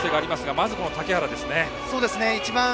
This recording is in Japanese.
まずこの竹原ですね。